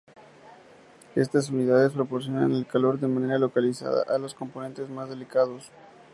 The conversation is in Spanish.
Estas unidades proporcionan el calor de manera localizada a los componentes más delicados.